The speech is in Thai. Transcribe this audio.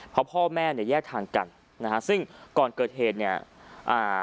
เพราะพ่อแม่เนี่ยแยกทางกันนะฮะซึ่งก่อนเกิดเหตุเนี่ยอ่า